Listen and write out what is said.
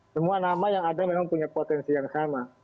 semua nama yang ada memang punya potensi yang sama